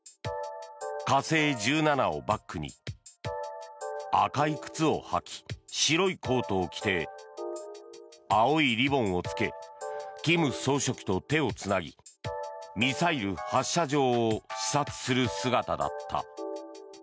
火星１７をバックに赤い靴を履き、白いコートを着て青いリボンをつけ金総書記と手をつなぎミサイル発射場を視察する姿だった。